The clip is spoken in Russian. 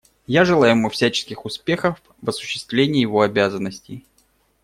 Я желаю ему всяческих успехов в осуществлении его обязанностей.